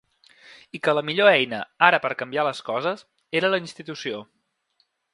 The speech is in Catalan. I que la millor eina, ara per a canviar les coses, era la institució.